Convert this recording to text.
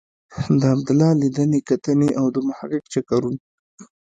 د عبدالله لیدنې کتنې او د محقق چکرونه.